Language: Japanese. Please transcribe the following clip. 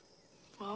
ああ。